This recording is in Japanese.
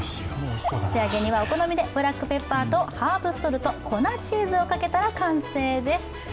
仕上げにはお好みでブラックペッパーとハーブソルト粉チーズをかけたら完成です。